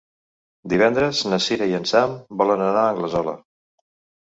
Divendres na Cira i en Sam volen anar a Anglesola.